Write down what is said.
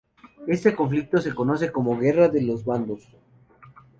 Este conflicto se conoce como Guerra de los Bandos.